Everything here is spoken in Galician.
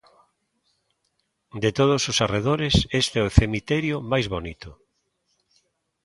De todos os arredores, este é o cemiterio máis bonito.